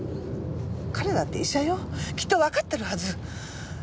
彼だって医者よきっとわかってるはず。